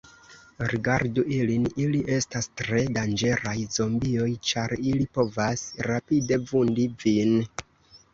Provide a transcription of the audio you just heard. Rigardu ilin, ili estas tre danĝeraj zombioj, ĉar ili povas rapide vundi vin.